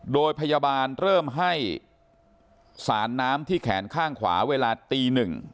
โดยพยาบาลเริ่มให้สารน้ำที่แขนข้างขวาเวลาตี๑